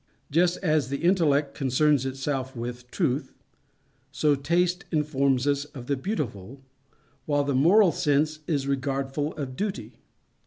Just as the Intellect concerns itself with Truth, so Taste informs us of the Beautiful, while the Moral Sense is regardful of Duty.